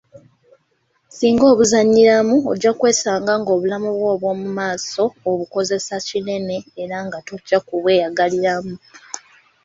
Singa obuzannyiramu ojja kwesanga ng'obulamu bwo obw'omu maaso obukosezza kinene era nga tojja ku bweyagaliramu.